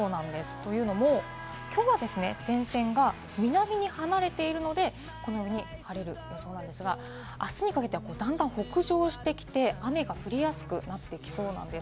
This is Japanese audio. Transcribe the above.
というのも前線が南に離れているので、晴れる予想なんですが、あすにかけて段々と北上してきて、雨が降りやすくなってきそうなんです。